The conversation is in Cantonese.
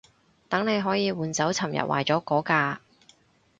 等你可以換走尋日壞咗嗰架